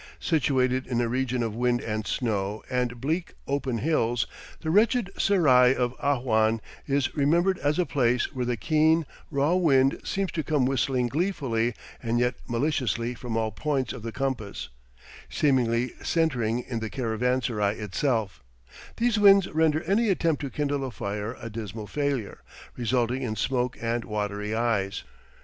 Situated in a region of wind and snow and bleak, open hills, the wretched serai of Ahwan is remembered as a place where the keen, raw wind seems to come whistling gleefully and yet maliciously from all points of the compass, seemingly centring in the caravansarai itself; these winds render any attempt to kindle a fire a dismal failure, resulting in smoke and watery eyes.